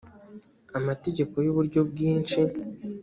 amategeko y uburyo bwinshi